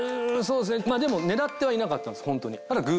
でも狙ってはいなかったんですホントに。